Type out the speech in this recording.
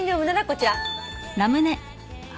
こちら。